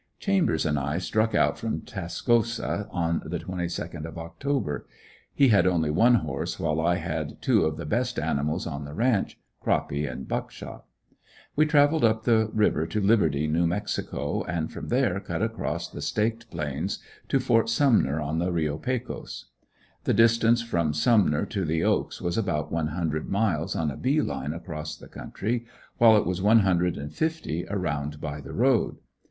Chambers and I struck out from Tascosa on the 22nd of October. He had only one horse, while I had two of the best animals on the ranch, Croppy and Buckshot. We traveled up the river to Liberty, New Mexico, and from there cut across the Staked Plains to Ft. Sumner, on the Reo Pecos. The distance from "Sumner" to the "Oaks" was about one hundred miles on a bee line across the country, while it was one hundred and fifty around by the road.